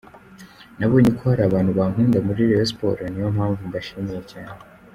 Nabonye ko hari abantu bankunda muri Rayon Sports niyo mpamvu mbashimiye cyane.